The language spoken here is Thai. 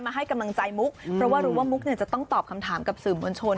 ให้กำลังใจมุกเพราะว่ารู้ว่ามุกเนี่ยจะต้องตอบคำถามกับสื่อมวลชน